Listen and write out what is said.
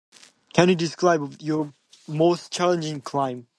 Can you describe your most challenging climb?